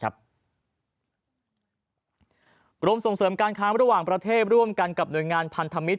กรมส่งเสริมการค้าระหว่างประเทศร่วมกันกับหน่วยงานพันธมิตร